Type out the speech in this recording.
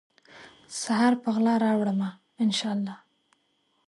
سحر په غلا راوړمه ، ان شا الله